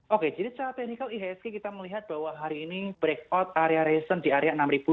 oke jadi secara teknikal ihsg kita melihat bahwa hari ini breakout area recent di area enam ribu sembilan ratus tiga puluh